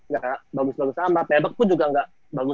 gak bagus bagus sama pebek pun juga gak